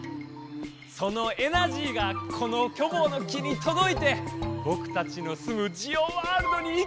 そのエナジーがこのキョボの木にとどいてぼくたちのすむジオワールドに行きわたるんだ！